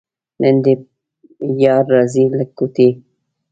نن دې یار راځي له کوټې.